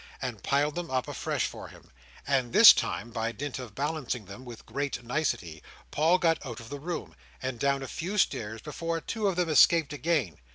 and piled them up afresh for him; and this time, by dint of balancing them with great nicety, Paul got out of the room, and down a few stairs before two of them escaped again.